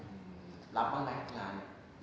รับอะไรงาน